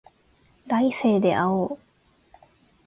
来世で会おう